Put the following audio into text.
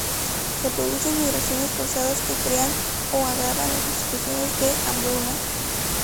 Se producen migraciones forzadas que crean o agravan las situaciones de hambruna.